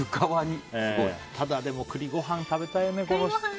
ただ、栗ごはん食べたいよね。